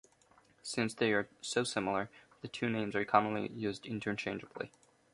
Since they are so similar, the two names are commonly used interchangeably.